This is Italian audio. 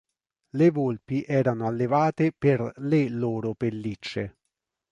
Le volpi erano allevate per le loro pellicce.